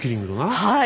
はい。